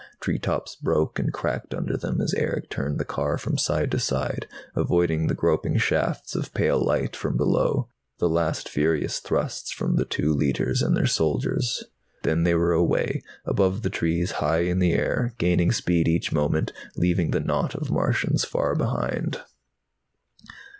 Treetops broke and cracked under them as Erick turned the car from side to side, avoiding the groping shafts of pale light from below, the last furious thrusts from the two Leiters and their soldiers. Then they were away, above the trees, high in the air, gaining speed each moment, leaving the knot of Martians far behind.